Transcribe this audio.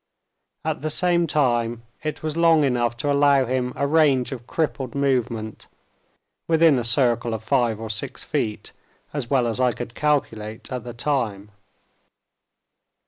At the same time, it was long enough to allow him a range of crippled movement, within a circle of five or six feet, as well as I could calculate at the time.